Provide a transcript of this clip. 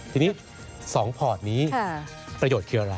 ทีนี้๒พอร์ตนี้ประโยชน์คืออะไร